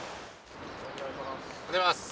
おはようございます。